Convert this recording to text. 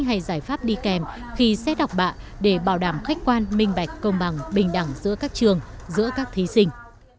hay giải pháp đi kèm khi xét học bạ để bảo đảm khách quan minh bạch công bằng bình đẳng giữa các trường giữa các thí sinh